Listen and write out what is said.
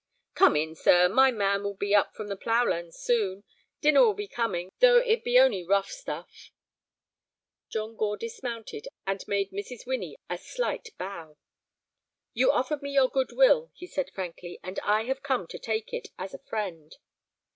"Come in, sir; my man will be up from the ploughland soon. Dinner will be coming, though it be only rough stuff." John Gore dismounted, and made Mrs. Winnie a slight bow. "You offered me your good will," he said, frankly, "and I have come to take it—as a friend."